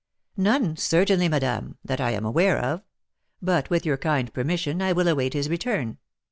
"None, certainly, madame, that I am aware of; but, with your kind permission, I will await his return.